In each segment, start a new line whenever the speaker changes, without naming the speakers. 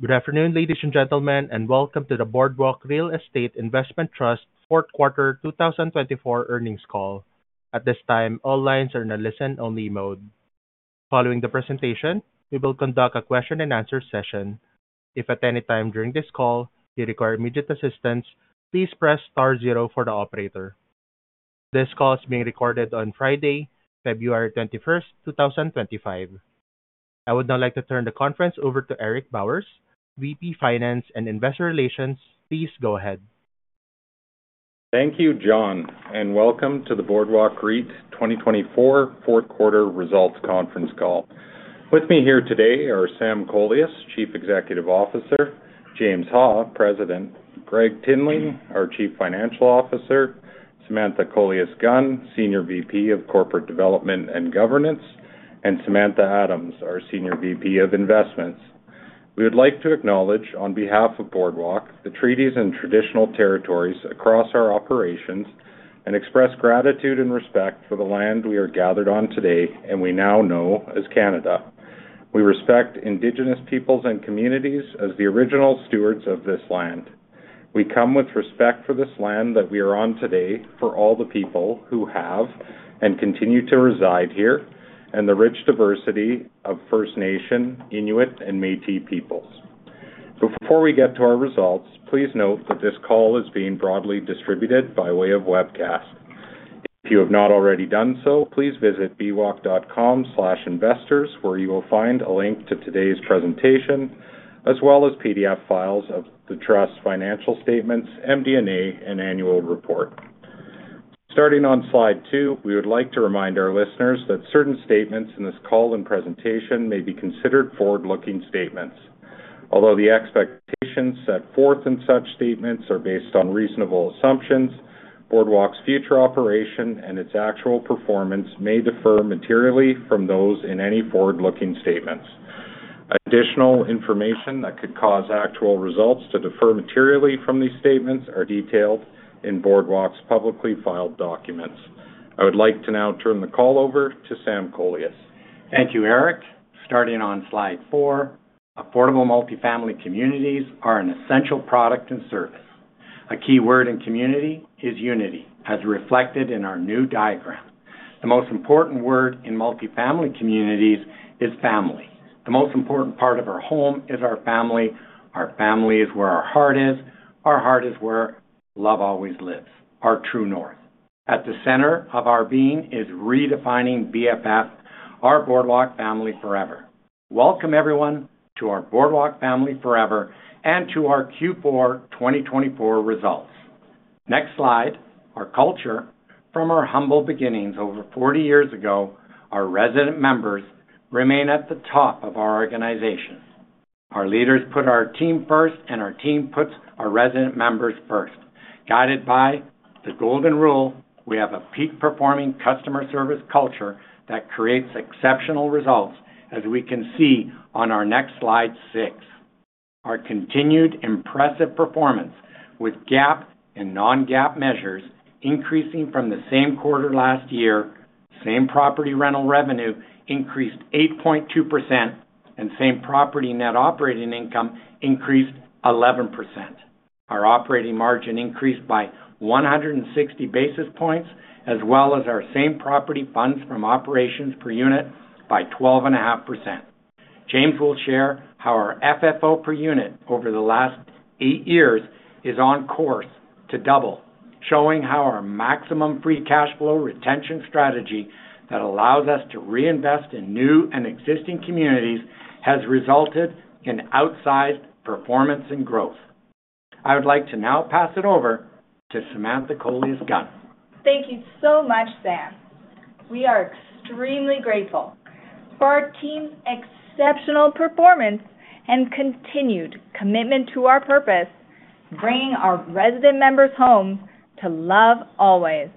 Good afternoon, ladies and gentlemen, and welcome to the Boardwalk Real Estate Investment Trust fourth quarter 2024 earnings call. At this time, all lines are in a listen-only mode. Following the presentation, we will conduct a question-and-answer session. If at any time during this call you require immediate assistance, please press *0 for the operator. This call is being recorded on Friday, February 21st, 2025. I would now like to turn the conference over to Eric Bowers, VP Finance and Investor Relations. Please go ahead.
Thank you, John, and welcome to the Boardwalk REIT 2024 fourth quarter results conference call. With me here today are Sam Kolias, Chief Executive Officer, James Ha, President, Gregg Tinling, our Chief Financial Officer, Samantha Kolias-Gunn, Senior VP of Corporate Development and Governance, and Samantha Adams, our Senior VP of Investments. We would like to acknowledge, on behalf of Boardwalk, the treaties and traditional territories across our operations, and express gratitude and respect for the land we are gathered on today and we now know as Canada. We respect Indigenous peoples and communities as the original stewards of this land. We come with respect for this land that we are on today for all the people who have and continue to reside here and the rich diversity of First Nations, Inuit, and Métis peoples. Before we get to our results, please note that this call is being broadly distributed by way of webcast. If you have not already done so, please visit bwalk.com/investors, where you will find a link to today's presentation, as well as PDF files of the Trust's financial statements, MD&A, and annual report. Starting on slide two, we would like to remind our listeners that certain statements in this call and presentation may be considered forward-looking statements. Although the expectations set forth in such statements are based on reasonable assumptions, Boardwalk's future operation and its actual performance may differ materially from those in any forward-looking statements. Additional information that could cause actual results to differ materially from these statements is detailed in Boardwalk's publicly filed documents. I would like to now turn the call over to Sam Kolias.
Thank you, Eric. Starting on slide four, affordable multifamily communities are an essential product and service. A key word in community is unity, as reflected in our new diagram. The most important word in multifamily communities is family. The most important part of our home is our family. Our family is where our heart is. Our heart is where love always lives, our true north. At the center of our being is redefining BFF, our Boardwalk Family Forever. Welcome, everyone, to our Boardwalk Family Forever and to our Q4 2024 results. Next slide. Our culture, from our humble beginnings over 40 years ago, our resident members remain at the top of our organization. Our leaders put our team first, and our team puts our resident members first. Guided by the Golden Rule, we have a peak-performing customer service culture that creates exceptional results, as we can see on our next slide, six. Our continued impressive performance, with GAAP and non-GAAP measures increasing from the same quarter last year, same property rental revenue increased 8.2%, and same property net operating income increased 11%. Our operating margin increased by 160 basis points, as well as our same property funds from operations per unit by 12.5%. James will share how our FFO per unit over the last eight years is on course to double, showing how our maximum free cash flow retention strategy that allows us to reinvest in new and existing communities has resulted in outsized performance and growth. I would like to now pass it over to Samantha Kolias-Gunn.
Thank you so much, Sam. We are extremely grateful for our team's exceptional performance and continued commitment to our purpose, bringing our resident members' homes to love always.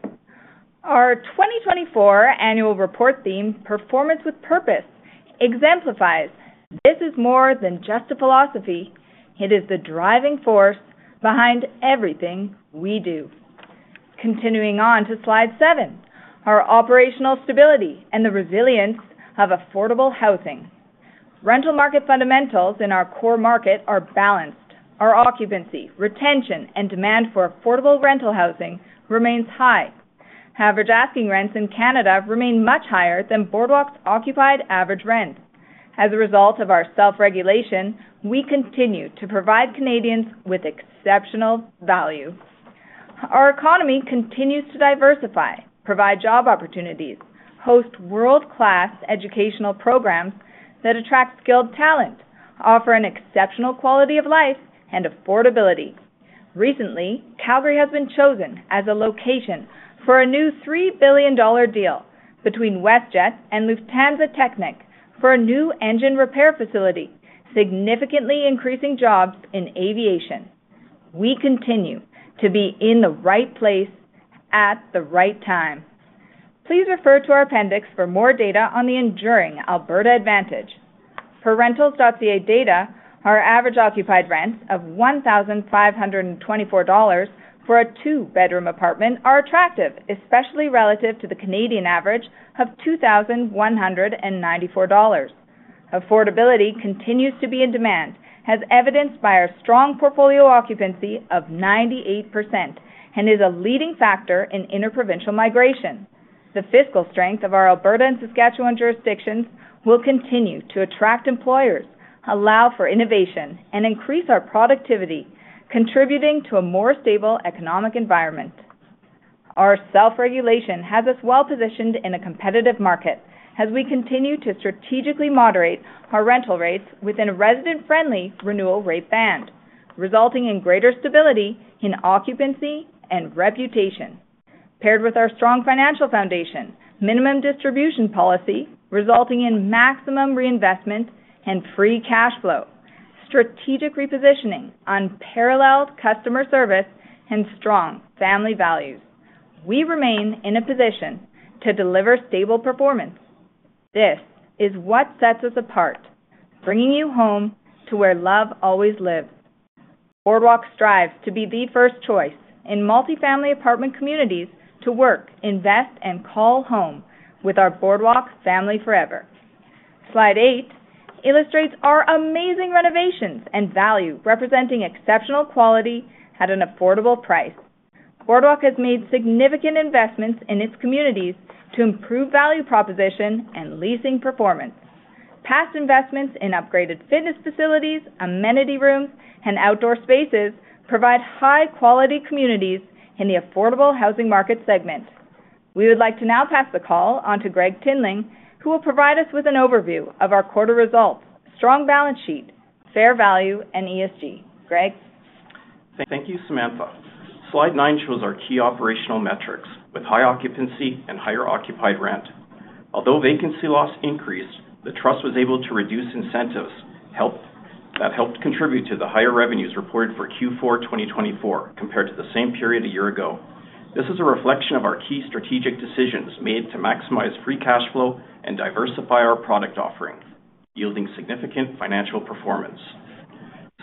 Our 2024 annual report theme, Performance with Purpose, exemplifies this is more than just a philosophy. It is the driving force behind everything we do. Continuing on to slide seven, our operational stability and the resilience of affordable housing. Rental market fundamentals in our core market are balanced. Our occupancy, retention, and demand for affordable rental housing remains high. Average asking rents in Canada remain much higher than Boardwalk's occupied average rent. As a result of our self-regulation, we continue to provide Canadians with exceptional value. Our economy continues to diversify, provide job opportunities, host world-class educational programs that attract skilled talent, offer an exceptional quality of life and affordability. Recently, Calgary has been chosen as a location for a new 3 billion dollar deal between WestJet and Lufthansa Technik for a new engine repair facility, significantly increasing jobs in aviation. We continue to be in the right place at the right time. Please refer to our appendix for more data on the enduring Alberta advantage. Per Rentals.ca data, our average occupied rents of 1,524 dollars for a two-bedroom apartment are attractive, especially relative to the Canadian average of 2,194 dollars. Affordability continues to be in demand, as evidenced by our strong portfolio occupancy of 98%, and is a leading factor in interprovincial migration. The fiscal strength of our Alberta and Saskatchewan jurisdictions will continue to attract employers, allow for innovation, and increase our productivity, contributing to a more stable economic environment. Our self-regulation has us well positioned in a competitive market, as we continue to strategically moderate our rental rates within a resident-friendly renewal rate band, resulting in greater stability in occupancy and reputation. Paired with our strong financial foundation, minimum distribution policy resulting in maximum reinvestment and free cash flow, strategic repositioning, unparalleled customer service, and strong family values, we remain in a position to deliver stable performance. This is what sets us apart, bringing you home to where love always lives. Boardwalk strives to be the first choice in multifamily apartment communities to work, invest, and call home with our Boardwalk Family Forever. Slide eight illustrates our amazing renovations and value, representing exceptional quality at an affordable price. Boardwalk has made significant investments in its communities to improve value proposition and leasing performance. Past investments in upgraded fitness facilities, amenity rooms, and outdoor spaces provide high-quality communities in the affordable housing market segment. We would like to now pass the call on to Gregg Tinling, who will provide us with an overview of our quarter results, strong balance sheet, fair value, and ESG. Gregg.
Thank you, Samantha. Slide nine shows our key operational metrics with high occupancy and higher occupied rent. Although vacancy loss increased, the Trust was able to reduce incentives that helped contribute to the higher revenues reported for Q4 2024 compared to the same period a year ago. This is a reflection of our key strategic decisions made to maximize free cash flow and diversify our product offering, yielding significant financial performance.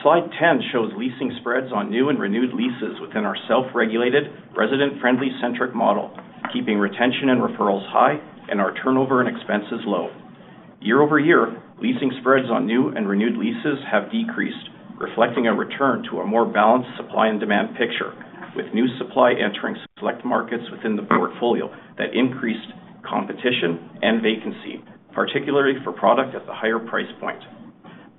Slide 10 shows leasing spreads on new and renewed leases within our self-regulated, resident-friendly-centric model, keeping retention and referrals high and our turnover and expenses low. Year-over-year, leasing spreads on new and renewed leases have decreased, reflecting a return to a more balanced supply and demand picture, with new supply entering select markets within the portfolio that increased competition and vacancy, particularly for product at the higher price point.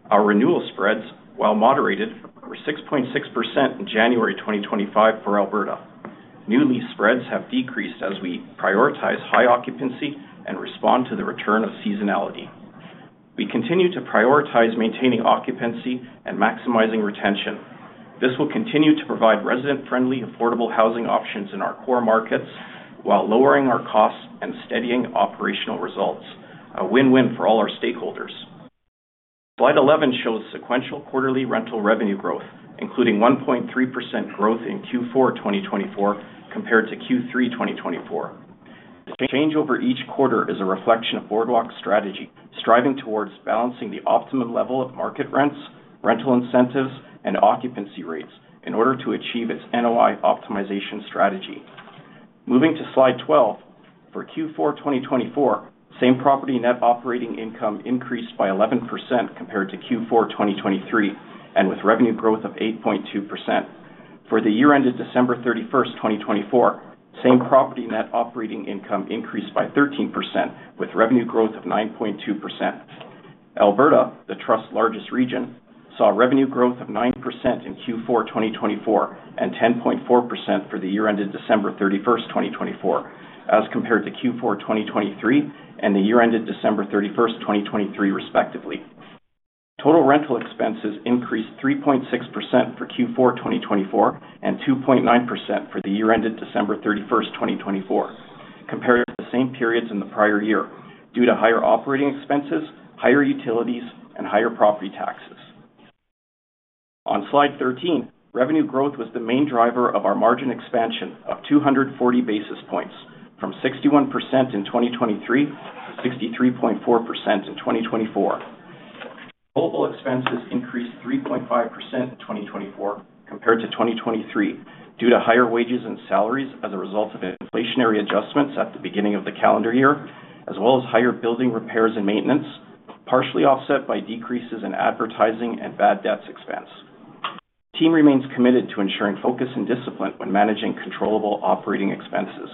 Our renewal spreads, while moderated, were 6.6% in January 2025 for Alberta. New lease spreads have decreased as we prioritize high occupancy and respond to the return of seasonality. We continue to prioritize maintaining occupancy and maximizing retention. This will continue to provide resident-friendly, affordable housing options in our core markets while lowering our costs and steadying operational results, a win-win for all our stakeholders. Slide 11 shows sequential quarterly rental revenue growth, including 1.3% growth in Q4 2024 compared to Q3 2024. The change over each quarter is a reflection of Boardwalk's strategy, striving towards balancing the optimum level of market rents, rental incentives, and occupancy rates in order to achieve its NOI optimization strategy. Moving to slide 12, for Q4 2024, same property net operating income increased by 11% compared to Q4 2023, and with revenue growth of 8.2%. For the year-ended December 31st, 2024, same property net operating income increased by 13%, with revenue growth of 9.2%. Alberta, the Trust's largest region, saw revenue growth of 9% in Q4 2024 and 10.4% for the year-ended December 31st, 2024, as compared to Q4 2023 and the year-ended December 31st, 2023, respectively. Total rental expenses increased 3.6% for Q4 2024 and 2.9% for the year-ended December 31st, 2024, compared to the same periods in the prior year due to higher operating expenses, higher utilities, and higher property taxes. On slide 13, revenue growth was the main driver of our margin expansion of 240 basis points, from 61% in 2023 to 63.4% in 2024. Total expenses increased 3.5% in 2024 compared to 2023 due to higher wages and salaries as a result of inflationary adjustments at the beginning of the calendar year, as well as higher building repairs and maintenance, partially offset by decreases in advertising and bad debts expense. The team remains committed to ensuring focus and discipline when managing controllable operating expenses.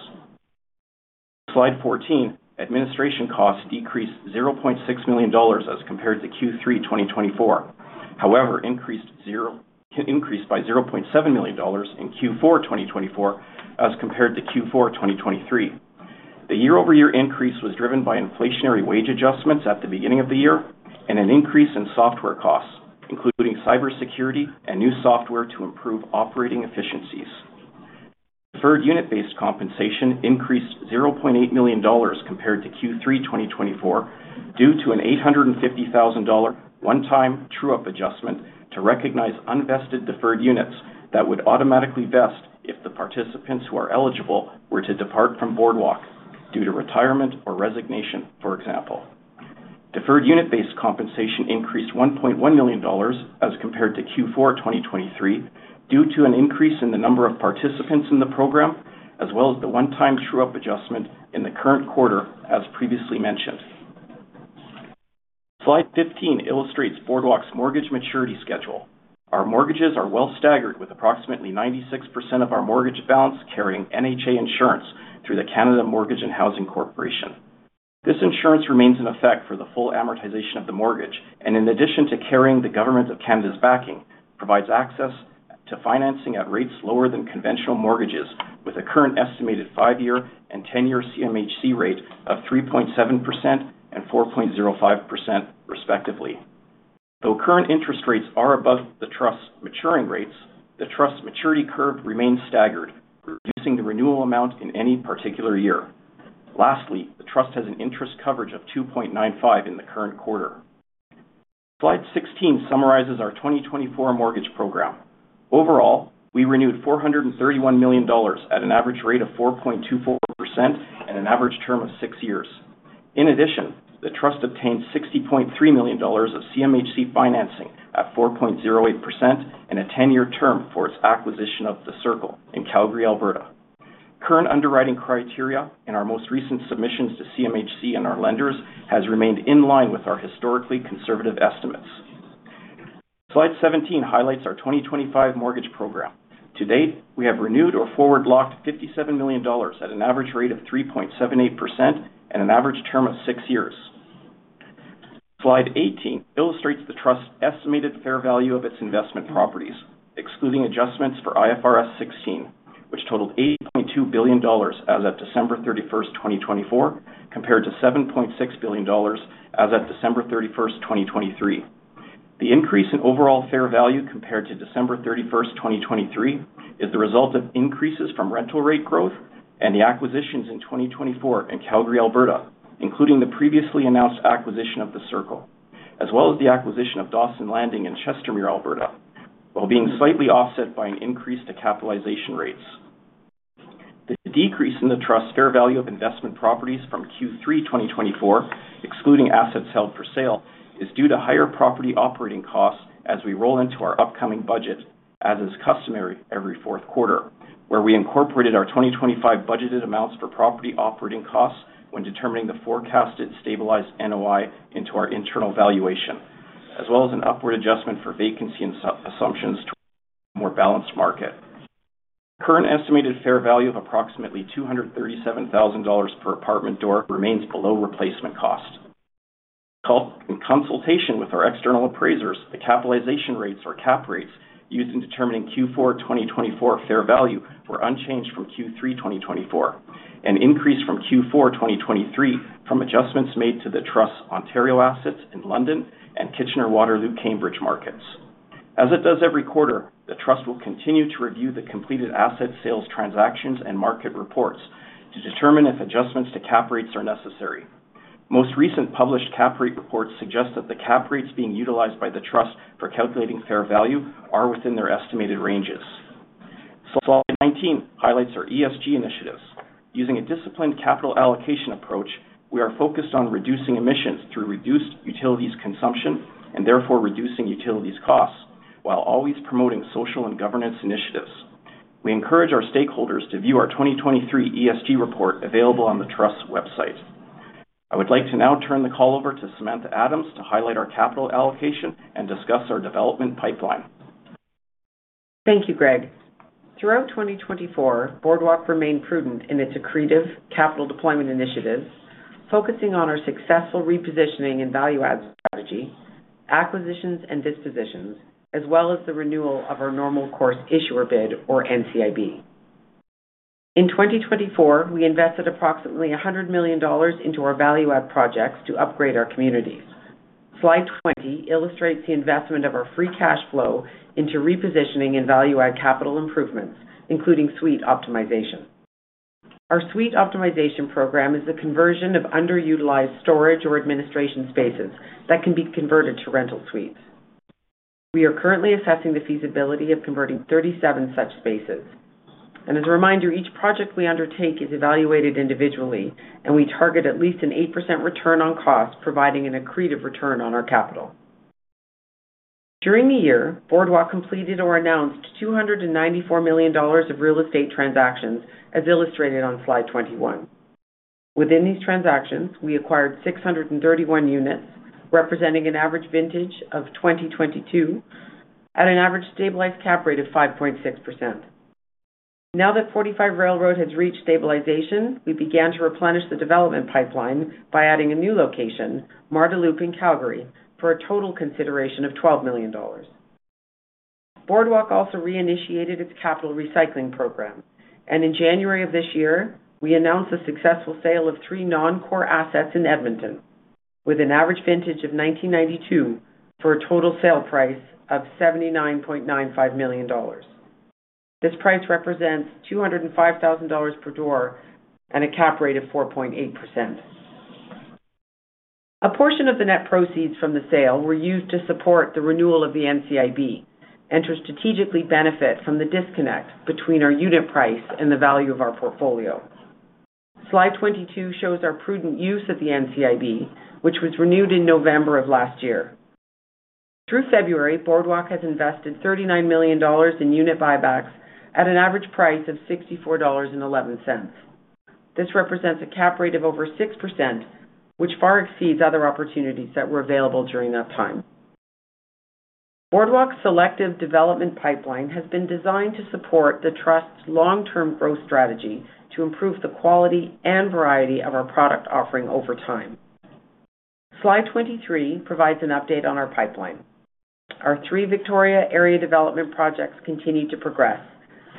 Slide 14, administration costs decreased 0.6 million dollars as compared to Q3 2024. However, increased by 0.7 million dollars in Q4 2024 as compared to Q4 2023. The year-over-year increase was driven by inflationary wage adjustments at the beginning of the year and an increase in software costs, including cybersecurity and new software to improve operating efficiencies. Deferred unit-based compensation increased CAD 0.8 million compared to Q3 2024 due to an CAD 850,000 one-time true-up adjustment to recognize unvested deferred units that would automatically vest if the participants who are eligible were to depart from Boardwalk due to retirement or resignation, for example. Deferred unit-based compensation increased 1.1 million dollars as compared to Q4 2023 due to an increase in the number of participants in the program, as well as the one-time true-up adjustment in the current quarter, as previously mentioned. Slide 15 illustrates Boardwalk's mortgage maturity schedule. Our mortgages are well staggered, with approximately 96% of our mortgage balance carrying NHA insurance through the Canada Mortgage and Housing Corporation. This insurance remains in effect for the full amortization of the mortgage, and in addition to carrying the government of Canada's backing, provides access to financing at rates lower than conventional mortgages, with a current estimated five-year and 10-year CMHC rate of 3.7% and 4.05%, respectively. Though current interest rates are above the Trust's maturing rates, the Trust's maturity curve remains staggered, reducing the renewal amount in any particular year. Lastly, the Trust has an interest coverage of 2.95% in the current quarter. Slide 16 summarizes our 2024 mortgage program. Overall, we renewed 431 million dollars at an average rate of 4.24% and an average term of six years. In addition, the Trust obtained 60.3 million dollars of CMHC financing at 4.08% and a 10-year term for its acquisition of The Circle in Calgary, Alberta. Current underwriting criteria in our most recent submissions to CMHC and our lenders has remained in line with our historically conservative estimates. Slide 17 highlights our 2025 mortgage program. To date, we have renewed or forward locked 57 million dollars at an average rate of 3.78% and an average term of six years. Slide 18 illustrates the Trust's estimated fair value of its investment properties, excluding adjustments for IFRS 16, which totaled 8.2 billion dollars as of December 31st, 2024, compared to 7.6 billion dollars as of December 31st, 2023. The increase in overall fair value compared to December 31st, 2023, is the result of increases from rental rate growth and the acquisitions in 2024 in Calgary, Alberta, including the previously announced acquisition of The Circle, as well as the acquisition of Dawson Landing in Chestermere, Alberta, while being slightly offset by an increase to capitalization rates. The decrease in the Trust's fair value of investment properties from Q3 2024, excluding assets held for sale, is due to higher property operating costs as we roll into our upcoming budget, as is customary every fourth quarter, where we incorporated our 2025 budgeted amounts for property operating costs when determining the forecasted stabilized NOI into our internal valuation, as well as an upward adjustment for vacancy assumptions to a more balanced market. Current estimated fair value of approximately 237,000 dollars per apartment door remains below replacement cost. In consultation with our external appraisers, the capitalization rates, or cap rates, used in determining Q4 2024 fair value were unchanged from Q3 2024, an increase from Q4 2023 from adjustments made to the Trust's Ontario assets in London and Kitchener-Waterloo-Cambridge markets. As it does every quarter, the Trust will continue to review the completed asset sales transactions and market reports to determine if adjustments to cap rates are necessary. Most recent published cap rate reports suggest that the cap rates being utilized by the Trust for calculating fair value are within their estimated ranges. Slide 19 highlights our ESG initiatives. Using a disciplined capital allocation approach, we are focused on reducing emissions through reduced utilities consumption and therefore reducing utilities costs, while always promoting social and governance initiatives. We encourage our stakeholders to view our 2023 ESG report available on the Trust's website. I would like to now turn the call over to Samantha Adams to highlight our capital allocation and discuss our development pipeline.
Thank you, Gregg. Throughout 2024, Boardwalk remained prudent in its accretive capital deployment initiatives, focusing on our successful repositioning and value-add strategy, acquisitions and dispositions, as well as the renewal of our normal course issuer bid, or NCIB. In 2024, we invested approximately 100 million dollars into our value-add projects to upgrade our communities. Slide 20 illustrates the investment of our free cash flow into repositioning and value-add capital improvements, including suite optimization. Our suite optimization program is the conversion of underutilized storage or administration spaces that can be converted to rental suites. We are currently assessing the feasibility of converting 37 such spaces. And as a reminder, each project we undertake is evaluated individually, and we target at least an 8% return on cost, providing an accretive return on our capital. During the year, Boardwalk completed or announced 294 million dollars of real estate transactions, as illustrated on Slide 21. Within these transactions, we acquired 631 units, representing an average vintage of 2022, at an average stabilized cap rate of 5.6%. Now that 45 Railroad has reached stabilization, we began to replenish the development pipeline by adding a new location, Marda Loop in Calgary, for a total consideration of 12 million dollars. Boardwalk also reinitiated its capital recycling program and in January of this year, we announced the successful sale of three non-core assets in Edmonton, with an average vintage of 1992 for a total sale price of 79.95 million dollars. This price represents 205,000 dollars per door and a cap rate of 4.8%. A portion of the net proceeds from the sale were used to support the renewal of the NCIB and to strategically benefit from the disconnect between our unit price and the value of our portfolio. Slide 22 shows our prudent use of the NCIB, which was renewed in November of last year. Through February, Boardwalk has invested 39 million dollars in unit buybacks at an average price of 64.11 dollars. This represents a cap rate of over 6%, which far exceeds other opportunities that were available during that time. Boardwalk's selective development pipeline has been designed to support the Trust's long-term growth strategy to improve the quality and variety of our product offering over time. Slide 23 provides an update on our pipeline. Our three Victoria area development projects continue to progress.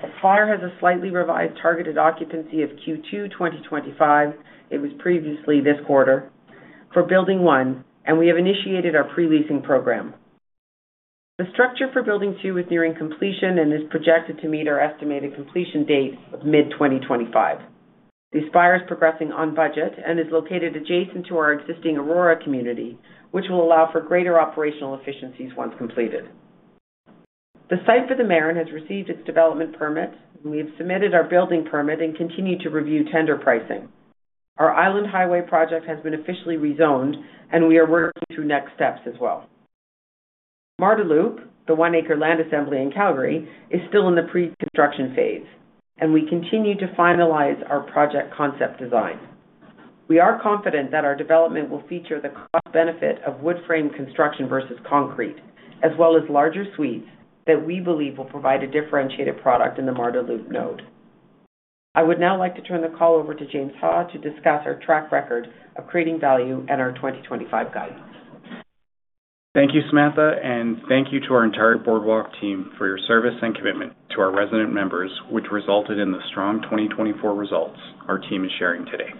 Aspire has a slightly revised targeted occupancy of Q2 2025. It was previously this quarter for Building 1, and we have initiated our pre-leasing program. The structure for Building 2 is nearing completion and is projected to meet our estimated completion date of mid-2025. The Aspire is progressing on budget and is located adjacent to our existing Aurora community, which will allow for greater operational efficiencies once completed. The site for The Marin has received its development permit, and we have submitted our building permit and continue to review tender pricing. Our Island Highway project has been officially rezoned, and we are working through next steps as well. Marda Loop, the one-acre land assembly in Calgary, is still in the pre-construction phase, and we continue to finalize our project concept design. We are confident that our development will feature the cost-benefit of wood frame construction versus concrete, as well as larger suites that we believe will provide a differentiated product in the Marda Loop node. I would now like to turn the call over to James Ha to discuss our track record of creating value and our 2025 guidance.
Thank you, Samantha, and thank you to our entire Boardwalk team for your service and commitment to our resident members, which resulted in the strong 2024 results our team is sharing today.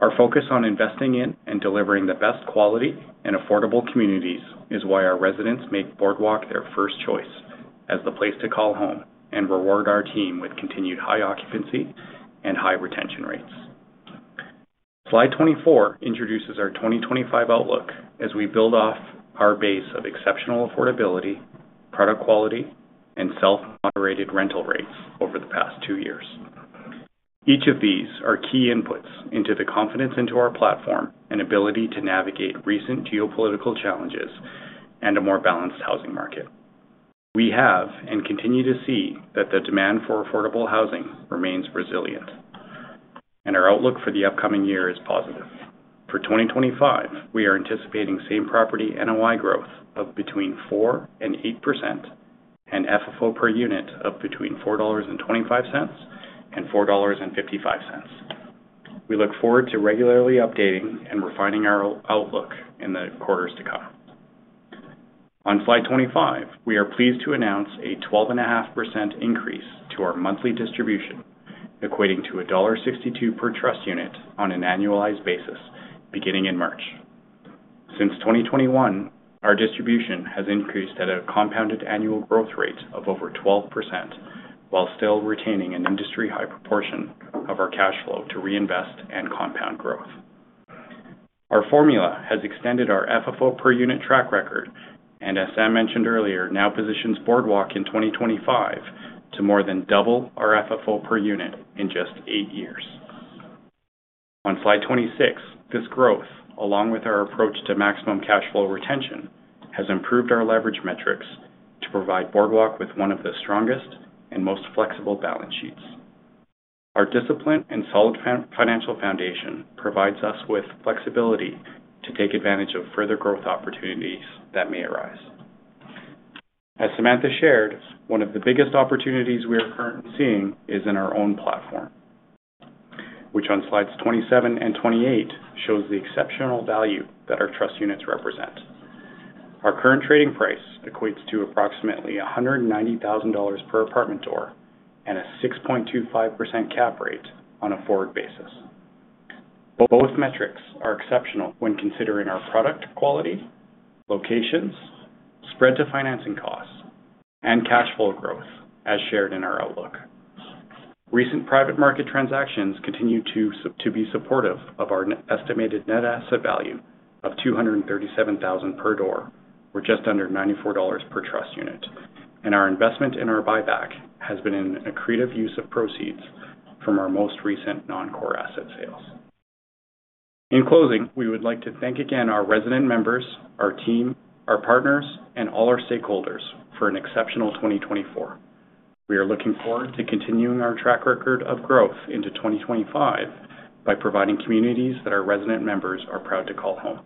Our focus on investing in and delivering the best quality and affordable communities is why our residents make Boardwalk their first choice as the place to call home and reward our team with continued high occupancy and high retention rates. Slide 24 introduces our 2025 outlook as we build off our base of exceptional affordability, product quality, and self-moderated rental rates over the past two years. Each of these are key inputs into the confidence into our platform and ability to navigate recent geopolitical challenges and a more balanced housing market. We have and continue to see that the demand for affordable housing remains resilient, and our outlook for the upcoming year is positive. For 2025, we are anticipating same property NOI growth of between 4% and 8% and FFO per unit of between 4.25 dollars and 4.55 dollars. We look forward to regularly updating and refining our outlook in the quarters to come. On Slide 25, we are pleased to announce a 12.5% increase to our monthly distribution, equating to dollar 1.62 per Trust unit on an annualized basis beginning in March. Since 2021, our distribution has increased at a compounded annual growth rate of over 12%, while still retaining an industry-high proportion of our cash flow to reinvest and compound growth. Our formula has extended our FFO per unit track record, and, as Sam mentioned earlier, now positions Boardwalk in 2025 to more than double our FFO per unit in just eight years. On Slide 26, this growth, along with our approach to maximum cash flow retention, has improved our leverage metrics to provide Boardwalk with one of the strongest and most flexible balance sheets. Our discipline and solid financial foundation provides us with flexibility to take advantage of further growth opportunities that may arise. As Samantha shared, one of the biggest opportunities we are currently seeing is in our own platform, which on Slides 27 and 28 shows the exceptional value that our trust units represent. Our current trading price equates to approximately 190,000 dollars per apartment door and a 6.25% cap rate on a forward basis. Both metrics are exceptional when considering our product quality, locations, spread to financing costs, and cash flow growth, as shared in our outlook. Recent private market transactions continue to be supportive of our estimated net asset value of 237,000 per door, or just under 94 dollars per Trust unit, and our investment in our buyback has been an accretive use of proceeds from our most recent non-core asset sales. In closing, we would like to thank again our resident members, our team, our partners, and all our stakeholders for an exceptional 2024. We are looking forward to continuing our track record of growth into 2025 by providing communities that our resident members are proud to call home.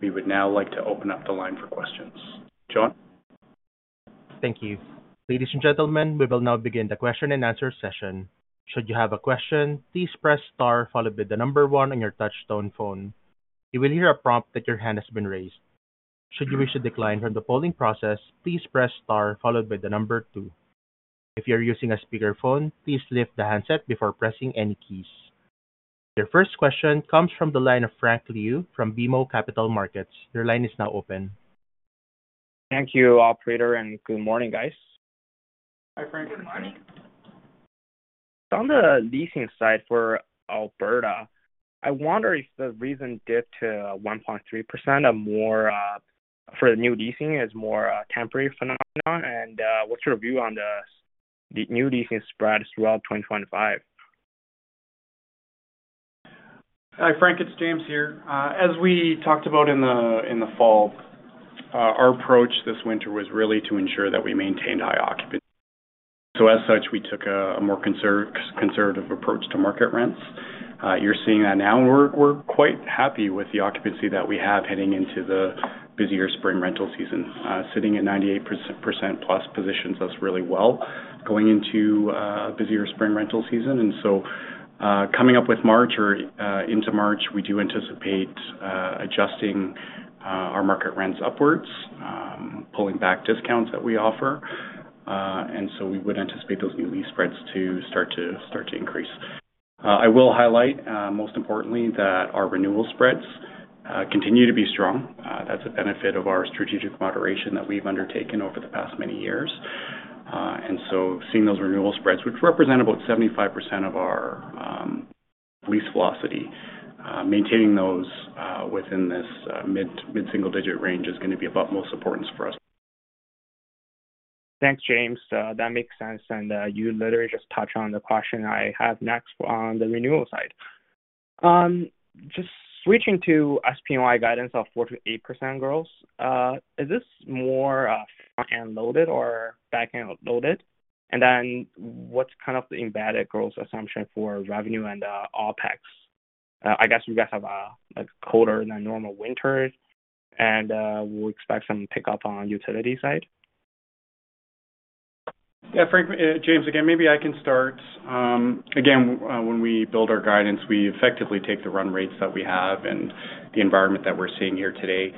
We would now like to open up the line for questions. John.
Thank you. Ladies and gentlemen, we will now begin the question and answer session. Should you have a question, please press star, followed by the number one on your touch-tone phone. You will hear a prompt that your hand has been raised. Should you wish to decline from the polling process, please press star, followed by the number two. If you are using a speakerphone, please lift the handset before pressing any keys. Your first question comes from the line of Frank Liu from BMO Capital Markets. Your line is now open.
Thank you, Operator, and good morning, guys.
Hi, Frank.
Good morning.
On the leasing side for Alberta, I wonder if the recent dip to 1.3% for the new leasing is more a temporary phenomenon, and what's your view on the new leasing spread throughout 2025?
Hi, Frank, it's James here. As we talked about in the fall, our approach this winter was really to ensure that we maintained high occupancy. So, as such, we took a more conservative approach to market rents. You're seeing that now, and we're quite happy with the occupancy that we have heading into the busier spring rental season. Sitting at 98%+ positions us really well going into a busier spring rental season. And so, coming up in March or into March, we do anticipate adjusting our market rents upwards, pulling back discounts that we offer. And so, we would anticipate those new lease spreads to start to increase. I will highlight, most importantly, that our renewal spreads continue to be strong. That's a benefit of our strategic moderation that we've undertaken over the past many years. And so, seeing those renewal spreads, which represent about 75% of our lease velocity, maintaining those within this mid-single-digit range is going to be of utmost importance for us.
Thanks, James. That makes sense, and you literally just touched on the question I have next on the renewal side. Just switching to SPNY guidance of 4%-8% growth, is this more front-end loaded or back-end loaded? And then, what's kind of the embedded growth assumption for revenue and OpEx? I guess you guys have colder than normal winters, and we'll expect some pickup on the utility side.
Yeah, Frank, James, again, maybe I can start. Again, when we build our guidance, we effectively take the run rates that we have and the environment that we're seeing here today.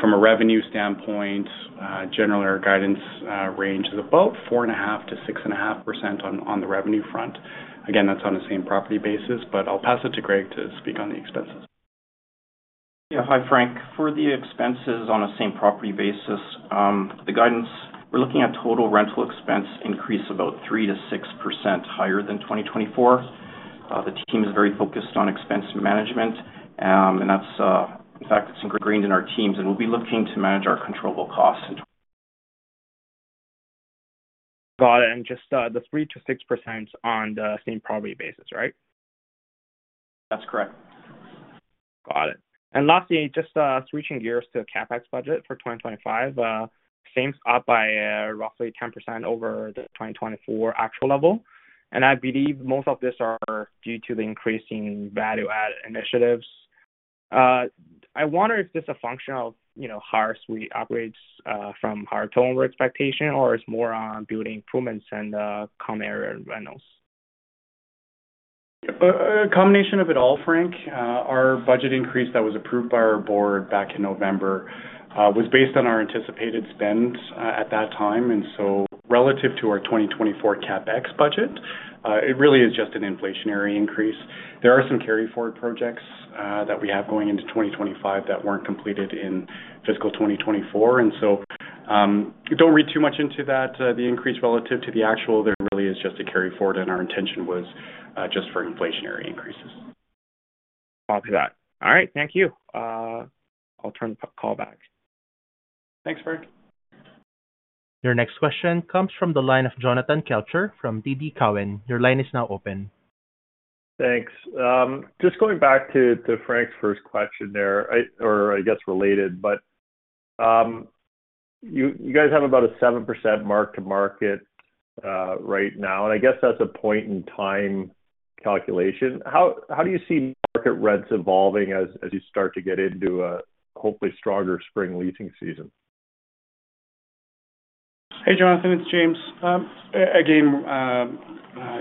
From a revenue standpoint, generally, our guidance range is about 4.5%-6.5% on the revenue front. Again, that's on a same property basis, but I'll pass it to Gregg to speak on the expenses.
Yeah, hi, Frank. For the expenses on a same property basis, the guidance, we're looking at total rental expense increase about 3%-6% higher than 2024. The team is very focused on expense management, and that's, in fact, that's ingrained in our teams, and we'll be looking to manage our controllable costs in.
Got it. And just the 3%-6% on the same property basis, right?
That's correct.
Got it. And lastly, just switching gears to CapEx budget for 2025, spend up by roughly 10% over the 2024 actual level. And I believe most of this is due to the increasing value-add initiatives. I wonder if this is a function of higher suite upgrades from higher total expectation, or it's more on building improvements and common area rentals?
A combination of it all, Frank. Our budget increase that was approved by our board back in November was based on our anticipated spend at that time. And so, relative to our 2024 CapEx budget, it really is just an inflationary increase. There are some carry-forward projects that we have going into 2025 that weren't completed in fiscal 2024. And so, don't read too much into that. The increase relative to the actual, there really is just a carry-forward, and our intention was just for inflationary increases.
Copy that. All right, thank you. I'll turn the call back.
Thanks, Frank.
Your next question comes from the line of Jonathan Kelcher from TD Cowen. Your line is now open.
Thanks. Just going back to Frank's first question there, or I guess related, but you guys have about a 7% mark-to-market right now, and I guess that's a point-in-time calculation. How do you see market rents evolving as you start to get into a hopefully stronger spring leasing season?
Hey, Jonathan, it's James. Again,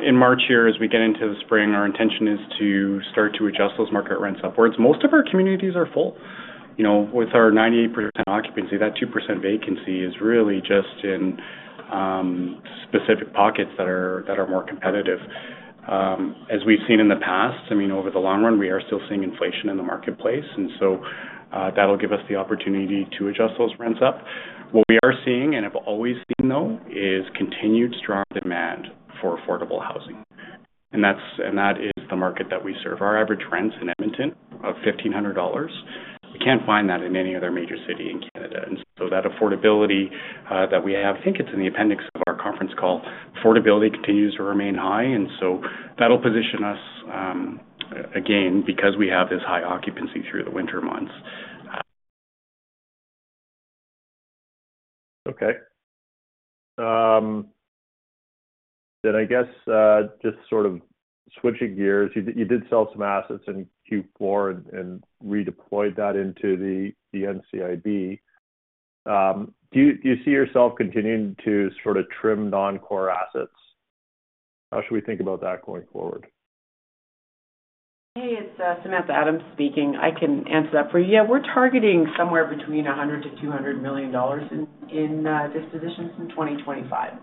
in March here, as we get into the spring, our intention is to start to adjust those market rents upwards. Most of our communities are full. With our 98% occupancy, that 2% vacancy is really just in specific pockets that are more competitive. As we've seen in the past, I mean, over the long run, we are still seeing inflation in the marketplace, and so that'll give us the opportunity to adjust those rents up. What we are seeing, and have always seen, though, is continued strong demand for affordable housing. That is the market that we serve. Our average rents in Edmonton are 1,500 dollars. We can't find that in any other major city in Canada. That affordability that we have, I think it's in the appendix of our conference call, affordability continues to remain high. And so that'll position us, again, because we have this high occupancy through the winter months.
Okay, then, I guess, just sort of switching gears, you did sell some assets in Q4 and redeployed that into the NCIB. Do you see yourself continuing to sort of trim non-core assets? How should we think about that going forward?
Hey, it's Samantha Adams speaking. I can answer that for you. Yeah, we're targeting somewhere between 100 million-200 million dollars in dispositions in 2025.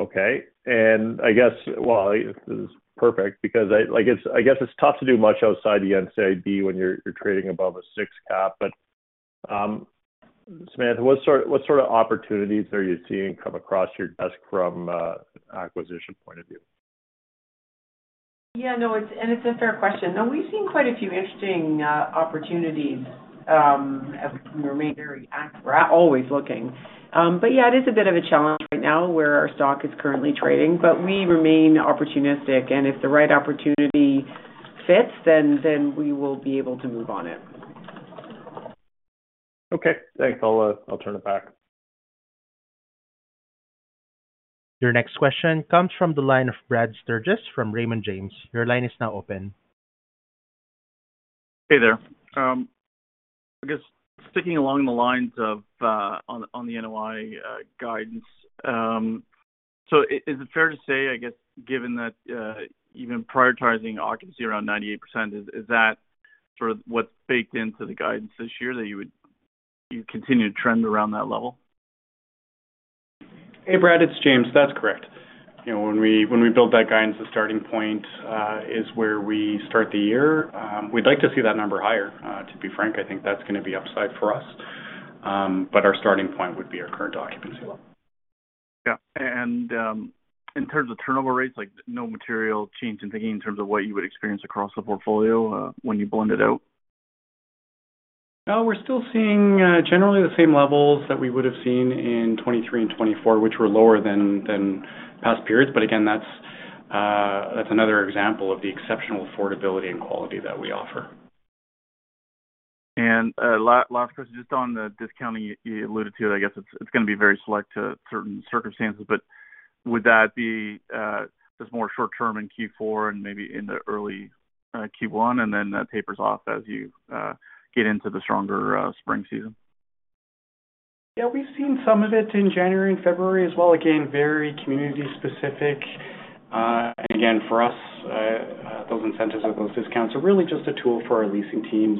Okay. And I guess, well, this is perfect because I guess it's tough to do much outside the NCIB when you're trading above a six cap. But Samantha, what sort of opportunities are you seeing come across your desk from an acquisition point of view?
Yeah, no, and it's a fair question. No, we've seen quite a few interesting opportunities as we remain very active or always looking. But yeah, it is a bit of a challenge right now where our stock is currently trading, but we remain opportunistic. And if the right opportunity fits, then we will be able to move on it.
Okay. Thanks. I'll turn it back.
Your next question comes from the line of Brad Sturges from Raymond James. Your line is now open.
Hey there. I guess sticking along the lines of the NOI guidance, so is it fair to say, I guess, given that even prioritizing occupancy around 98%, is that sort of what's baked into the guidance this year that you continue to trend around that level?
Hey, Brad, it's James. That's correct. When we build that guidance, the starting point is where we start the year. We'd like to see that number higher. To be frank, I think that's going to be upside for us, but our starting point would be our current occupancy level.
Yeah. And in terms of turnover rates, no material change in thinking in terms of what you would experience across the portfolio when you blend it out?
No, we're still seeing generally the same levels that we would have seen in 2023 and 2024, which were lower than past periods. But again, that's another example of the exceptional affordability and quality that we offer.
Last question, just on the discounting you alluded to, I guess it's going to be very select to certain circumstances, but would that be just more short-term in Q4 and maybe in the early Q1, and then that tapers off as you get into the stronger spring season?
Yeah, we've seen some of it in January and February as well. Again, very community-specific. And again, for us, those incentives with those discounts are really just a tool for our leasing teams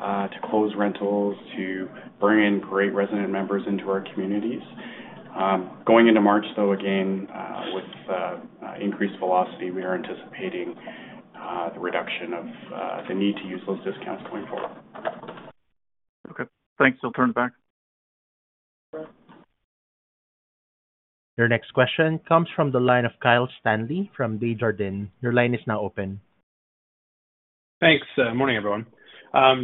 to close rentals, to bring in great resident members into our communities. Going into March, though, again, with increased velocity, we are anticipating the reduction of the need to use those discounts going forward.
Okay. Thanks. I'll turn it back.
Your next question comes from the line of Kyle Stanley from Desjardins. Your line is now open.
Thanks. Morning, everyone.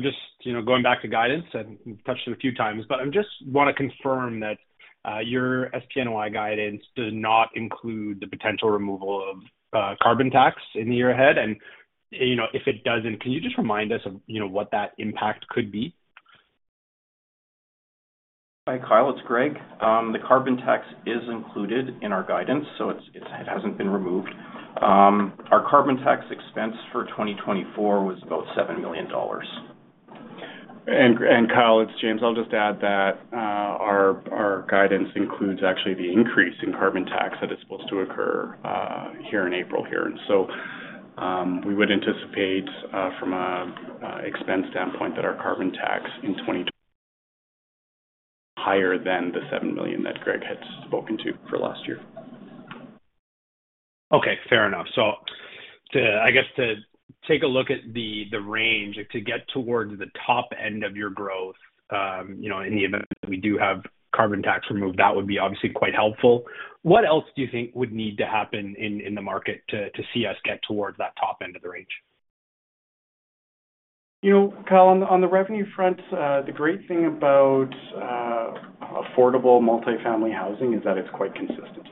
Just going back to guidance, and we've touched it a few times, but I just want to confirm that your SPNY guidance does not include the potential removal of carbon tax in the year ahead. And if it does, can you just remind us of what that impact could be?
Hi, Kyle. It's Gregg. The carbon tax is included in our guidance, so it hasn't been removed. Our carbon tax expense for 2024 was about 7 million dollars.
Kyle, it's James. I'll just add that our guidance includes, actually, the increase in carbon tax that is supposed to occur here in April here. So we would anticipate from an expense standpoint that our carbon tax in 2024 is higher than the 7 million that Gregg had spoken to for last year.
Okay. Fair enough. So I guess to take a look at the range to get towards the top end of your growth, in the event that we do have carbon tax removed, that would be obviously quite helpful. What else do you think would need to happen in the market to see us get towards that top end of the range?
Kyle, on the revenue front, the great thing about affordable multifamily housing is that it's quite consistent.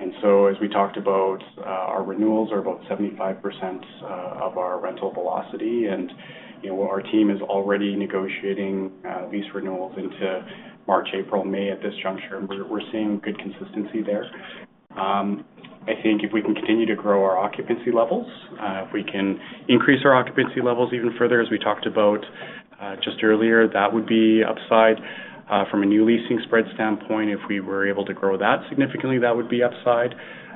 And so, as we talked about, our renewals are about 75% of our rental velocity. And our team is already negotiating lease renewals into March, April, May at this juncture, and we're seeing good consistency there. I think if we can continue to grow our occupancy levels, if we can increase our occupancy levels even further, as we talked about just earlier, that would be upside. From a new leasing spread standpoint, if we were able to grow that significantly, that would be upside.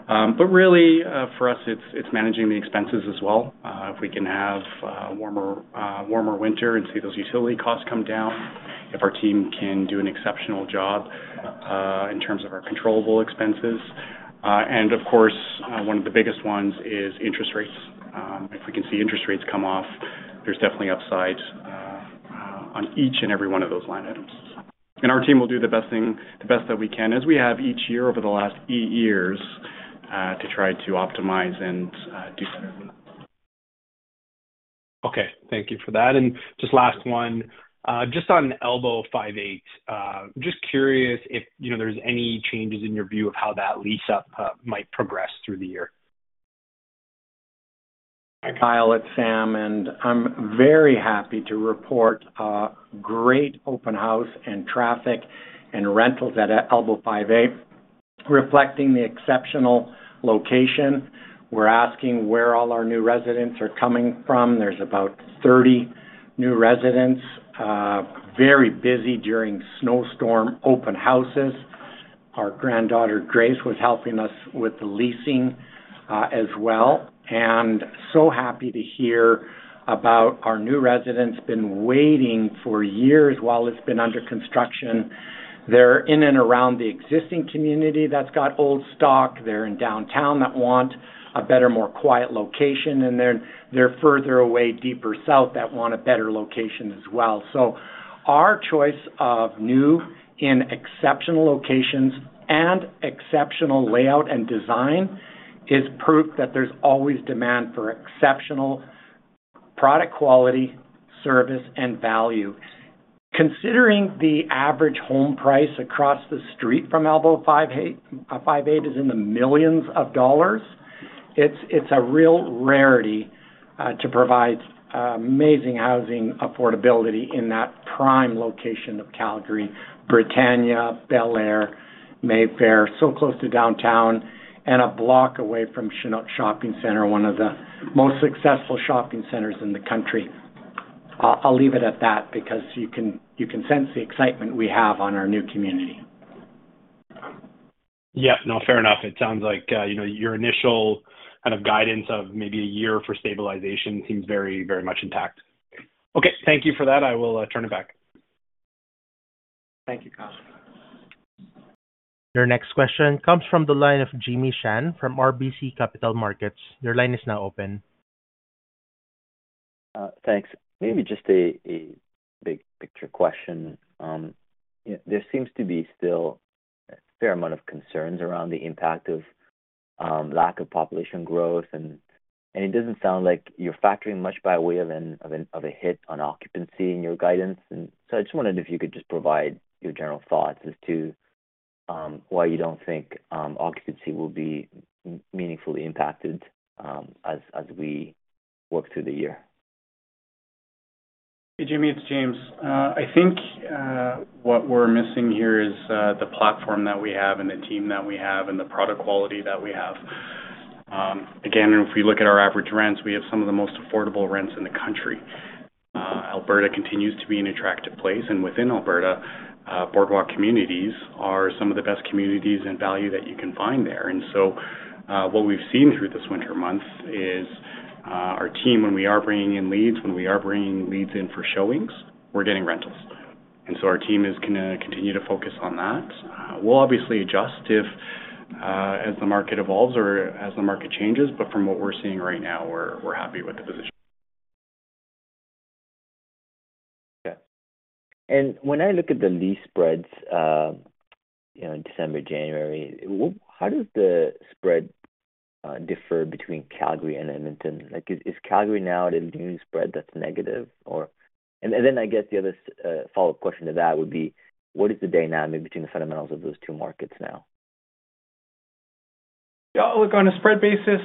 But really, for us, it's managing the expenses as well. If we can have a warmer winter and see those utility costs come down, if our team can do an exceptional job in terms of our controllable expenses. And of course, one of the biggest ones is interest rates. If we can see interest rates come off, there's definitely upside on each and every one of those line items. And our team will do the best that we can, as we have each year over the last eight years, to try to optimize and do better.
Okay. Thank you for that. And just last one, just on Elbow 5 Eight, just curious if there's any changes in your view of how that lease up might progress through the year?
Hi, Kyle. It's Sam, and I'm very happy to report a great open house and traffic and rentals at Elbow 5 Eight, reflecting the exceptional location. We're asking where all our new residents are coming from. There's about 30 new residents. Very busy during snowstorm open houses. Our granddaughter, Grace, was helping us with the leasing as well, and so happy to hear about our new residents who have been waiting for years while it's been under construction. They're in and around the existing community that's got old stock. They're in downtown that want a better, more quiet location, and then they're further away, deeper south, that want a better location as well, so our choice of new and exceptional locations and exceptional layout and design is proof that there's always demand for exceptional product quality, service, and value. Considering the average home price across the street from Elbow 5 Eight is in the millions of dollars, it's a real rarity to provide amazing housing affordability in that prime location of Calgary, Britannia, Bel-Aire, Mayfair, so close to downtown, and a block away from Chinook Shopping Centre, one of the most successful shopping centers in the country. I'll leave it at that because you can sense the excitement we have on our new community.
Yeah. No, fair enough. It sounds like your initial kind of guidance of maybe a year for stabilization seems very, very much intact. Okay. Thank you for that. I will turn it back.
Thank you, Kyle.
Your next question comes from the line of Jimmy Shan from RBC Capital Markets. Your line is now open.
Thanks. Maybe just a big picture question. There seems to be still a fair amount of concerns around the impact of lack of population growth. And it doesn't sound like you're factoring much by way of a hit on occupancy in your guidance. And so I just wondered if you could just provide your general thoughts as to why you don't think occupancy will be meaningfully impacted as we work through the year?
Hey, Jimmy. It's James. I think what we're missing here is the platform that we have and the team that we have and the product quality that we have. Again, if we look at our average rents, we have some of the most affordable rents in the country. Alberta continues to be an attractive place. And within Alberta, Boardwalk Communities are some of the best communities and value that you can find there. And so what we've seen through this winter months is our team, when we are bringing in leads, when we are bringing leads in for showings, we're getting rentals. And so our team is going to continue to focus on that. We'll obviously adjust as the market evolves or as the market changes. But from what we're seeing right now, we're happy with the position.
Okay. And when I look at the lease spreads in December, January, how does the spread differ between Calgary and Edmonton? Is Calgary now at a new spread that's negative? And then I guess the other follow-up question to that would be, what is the dynamic between the fundamentals of those two markets now?
Yeah. Look, on a spread basis,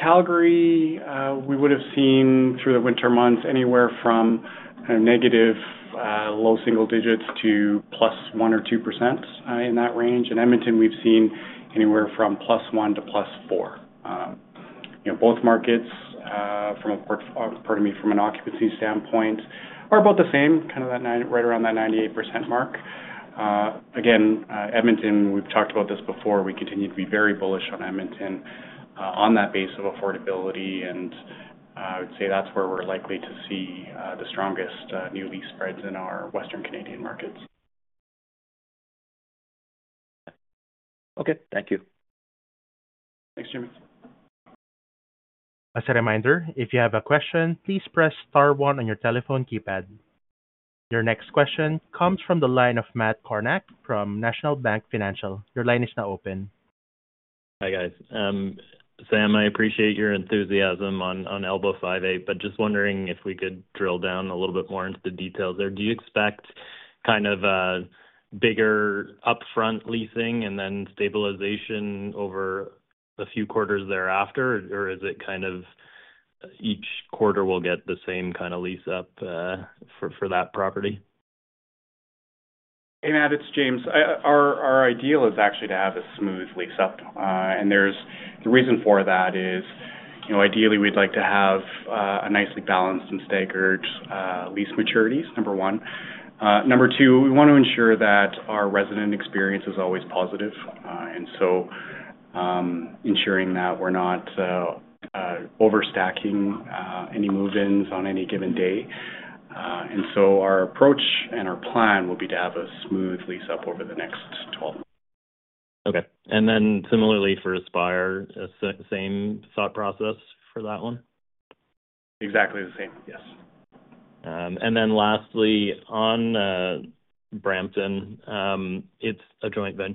Calgary, we would have seen through the winter months anywhere from negative low single digits to +1% or 2% in that range. In Edmonton, we've seen anywhere from +1% to +4%. Both markets, pardon me, from an occupancy standpoint, are about the same, kind of right around that 98% mark. Again, Edmonton, we've talked about this before. We continue to be very bullish on Edmonton on that base of affordability, and I would say that's where we're likely to see the strongest new lease spreads in our Western Canadian markets.
Okay. Thank you.
Thanks, Jimmy.
As a reminder, if you have a question, please press star one on your telephone keypad. Your next question comes from the line of Matt Kornack from National Bank Financial. Your line is now open.
Hi, guys. Sam, I appreciate your enthusiasm on Elbow 5 Eight, but just wondering if we could drill down a little bit more into the details there. Do you expect kind of bigger upfront leasing and then stabilization over a few quarters thereafter, or is it kind of each quarter we'll get the same kind of lease up for that property?
Hey, Matt. It's James. Our ideal is actually to have a smooth lease up. And the reason for that is, ideally, we'd like to have a nicely balanced and staggered lease maturities, number one. Number two, we want to ensure that our resident experience is always positive. And so ensuring that we're not overstacking any move-ins on any given day. And so our approach and our plan will be to have a smooth lease up over the next 12 months.
Okay. And then similarly for Aspire, same thought process for that one?
Exactly the same. Yes.
Lastly, on Brampton, it's a joint venture.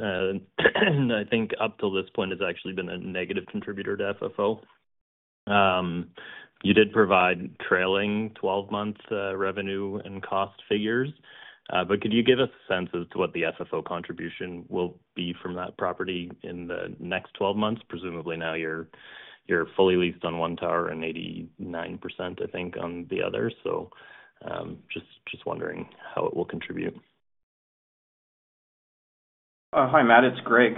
I think up till this point, it's actually been a negative contributor to FFO. You did provide trailing 12-month revenue and cost figures. Could you give us a sense as to what the FFO contribution will be from that property in the next 12 months? Presumably now you're fully leased on one tower and 89%, I think, on the other. Just wondering how it will contribute.
Hi, Matt. It's Gregg.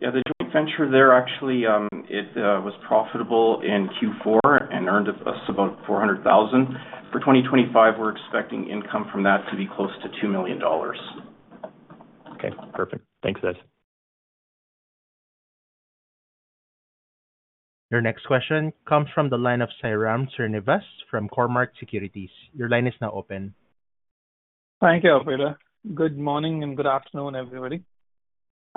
Yeah, the joint venture there, actually, it was profitable in Q4 and earned us about 400,000. For 2025, we're expecting income from that to be close to 2 million dollars.
Okay. Perfect. Thanks, guys.
Your next question comes from the line of Sairam Srinivas from Cormark Securities. Your line is now open.
Thank you, operator. Good morning and good afternoon, everybody. Just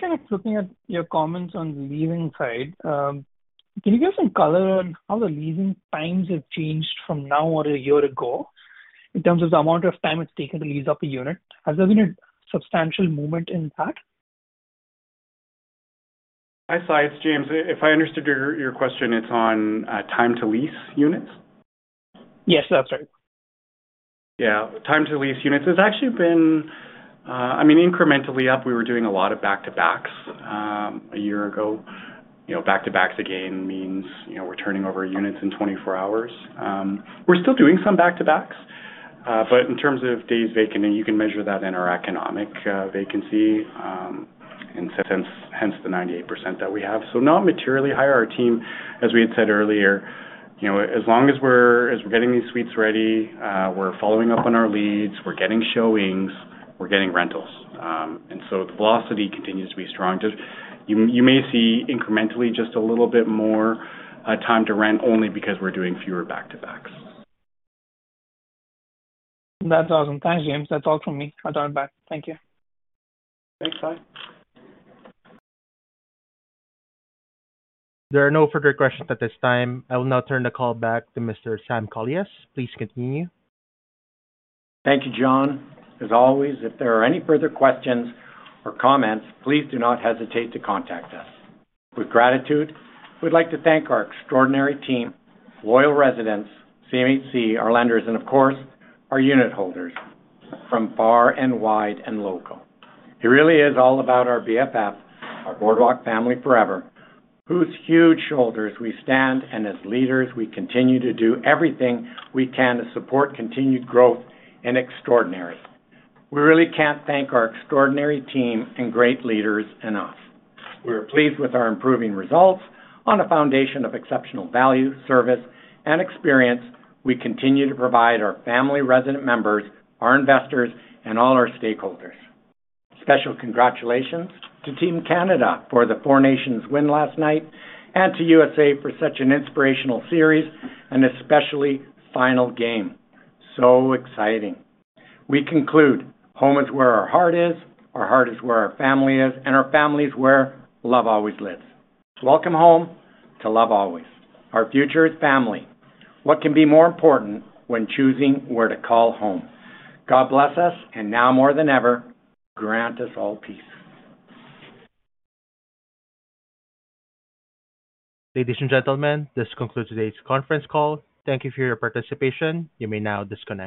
kind of looking at your comments on the leasing side, can you give us some color on how the leasing times have changed from now or a year ago in terms of the amount of time it's taken to lease up a unit? Has there been a substantial movement in that?
Hi, Sai. It's James. If I understood your question, it's on time to lease units?
Yes, that's right.
Yeah. Time to lease units has actually been, I mean, incrementally up. We were doing a lot of back-to-backs a year ago. Back-to-backs again means we're turning over units in 24 hours. We're still doing some back-to-backs, but in terms of days vacant, and you can measure that in our economic vacancy, and hence the 98% that we have. So not materially higher. Our team, as we had said earlier, as long as we're getting these suites ready, we're following up on our leads, we're getting showings, we're getting rentals. And so the velocity continues to be strong. You may see incrementally just a little bit more time to rent only because we're doing fewer back-to-backs.
That's awesome. Thanks, James. That's all from me. I'll dial you back. Thank you.
Thanks, Sai.
There are no further questions at this time. I will now turn the call back to Mr. Sam Kolias. Please continue.
Thank you, John. As always, if there are any further questions or comments, please do not hesitate to contact us. With gratitude, we'd like to thank our extraordinary team, loyal residents, CMHC, our lenders, and of course, our unit holders from far and wide and local. It really is all about our BFF, our Boardwalk family forever, whose huge shoulders we stand, and as leaders, we continue to do everything we can to support continued growth in extraordinary. We really can't thank our extraordinary team and great leaders enough. We are pleased with our improving results on a foundation of exceptional value, service, and experience we continue to provide our family resident members, our investors, and all our stakeholders. Special congratulations to Team Canada for the 4 Nations win last night and to USA for such an inspirational series and especially final game. So exciting. We conclude, home is where our heart is, our heart is where our family is, and our family is where love always lives. Welcome home to love always. Our future is family. What can be more important when choosing where to call home? God bless us, and now more than ever, grant us all peace.
Ladies and gentlemen, this concludes today's conference call. Thank you for your participation. You may now disconnect.